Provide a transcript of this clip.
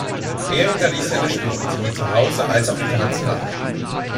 Er hinterließ seine Spuren sowohl zu Hause als auch international.